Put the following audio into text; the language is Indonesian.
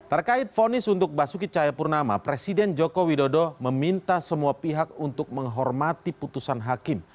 terkait fonis untuk basuki cahayapurnama presiden joko widodo meminta semua pihak untuk menghormati putusan hakim